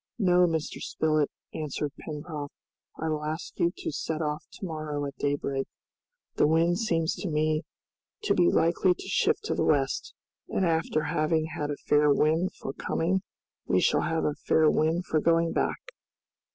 "No, Mr. Spilett," answered Pencroft, "I will ask you to set off to morrow at daybreak. The wind seems to me to be likely to shift to the west, and after having had a fair wind for coming we shall have a fair wind for going back."